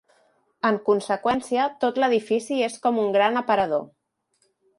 En conseqüència, tot l'edifici és com un gran aparador.